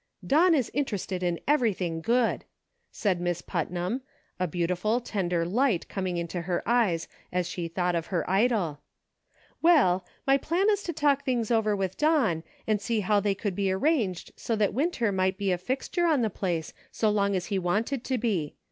"Don is interested in everything good," said Miss Putnam, a beautiful, tender light coming into her eyes as she thought of her idol ;" well, my plan is to talk things over with Don and see how they could be arranged so that Winter might be a fixture on the place so long as he wanted to be.